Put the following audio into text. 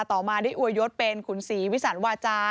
ต่อมาได้อวยยศเป็นขุนศรีวิสันวาจา